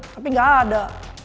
tapi gak ada